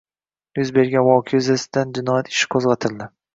Yuz bergan voqea yuzasidan jinoiy ish qo`zg`atildi